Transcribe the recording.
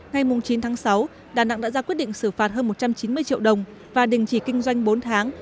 ngay mùng chín tháng sáu đà nẵng đã ra quyết định xử phạt hơn một trăm chín mươi triệu đồng và đình chỉ kinh doanh bốn tháng